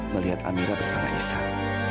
melihat amira bersama isan